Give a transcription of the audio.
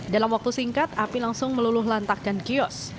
dalam waktu singkat api langsung meluluh lantakkan kios